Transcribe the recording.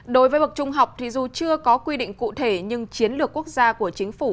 đối với bậc trung học thì dù chưa có quy định cụ thể nhưng chiến lược quốc gia của chính phủ